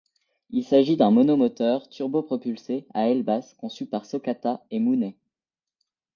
Il s'agit d'un monomoteur turbopropulsé à aile basse conçu par Socata et Mooney.